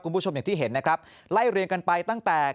คุณผู้ชมอย่างที่เห็นนะครับไล่เรียงกันไปตั้งแต่